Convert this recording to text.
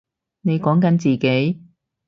你講緊自己？